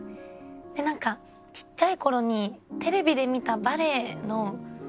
なんかちっちゃい頃にテレビで見たバレエの番組？